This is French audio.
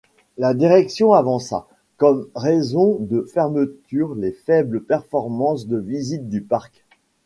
La direction avança comme raisons de fermeture les faibles performances de visite du parc.